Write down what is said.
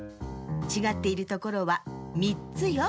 ちがっているところは３つよ。